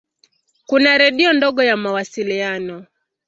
Kuna redio ndogo ya mawasiliano.